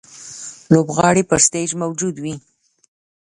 لوبغاړی پر سټېج موجود وي.